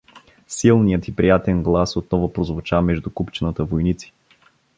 Силният и приятен глас отново прозвучава между купчината войници.